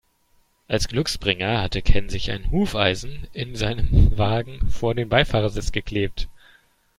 Als Glücksbringer hatte Ken sich ein Hufeisen in seinem Wagen vor den Beifahrersitz geklebt.